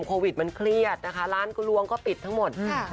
โควิดมันเครียดนะคะร้านกลวงก็ปิดทั้งหมดค่ะ